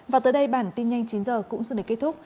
và tới đây bản tin nhanh chín h cũng xin để kết thúc